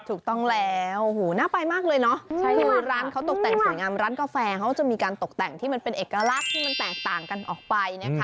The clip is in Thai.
ถูกต้องแล้วโอ้โหน่าไปมากเลยเนาะคือร้านเขาตกแต่งสวยงามร้านกาแฟเขาจะมีการตกแต่งที่มันเป็นเอกลักษณ์ที่มันแตกต่างกันออกไปนะคะ